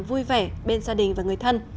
vui vẻ bên gia đình và người thân